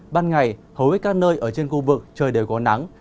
ban ngày hầu hết các nơi ở trên khu vực trời đều có nắng